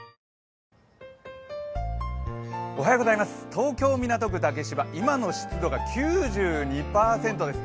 東京・港区竹芝、今の湿度が９２％です。